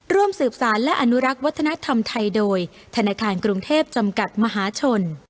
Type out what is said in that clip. ร่วมสืบสารและอนุรักษ์วัฒนธรรมไทยโดยธนาคารกรุงเทพจำกัดมหาชน